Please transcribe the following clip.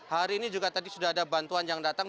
hari ini juga tadi sudah ada bantuan yang datang